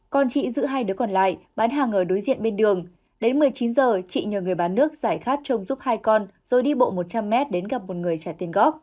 con chị giữ hai đứa còn lại bán hàng ở đối diện bên đường đến một mươi chín giờ chị nhờ người bán nước giải khát trông giúp hai con rồi đi bộ một trăm linh m đến gặp một người trả tiền góp